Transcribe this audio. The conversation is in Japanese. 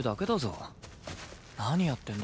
何やってんだ？